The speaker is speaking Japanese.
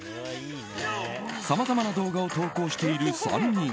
さまざまな動画を投稿している３人。